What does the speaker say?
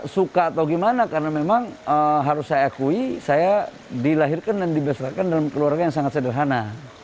suka atau gimana karena memang harus saya akui saya dilahirkan dan dibesarkan dalam keluarga yang sangat sederhana